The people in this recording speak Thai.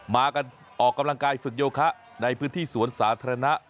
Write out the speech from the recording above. มากันออกกำลังกายฝึกโยคะในพื้นที่สวนสาธารณะ